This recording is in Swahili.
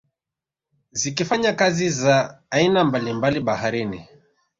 Zikifanya kazi za aina mbalimbali baharini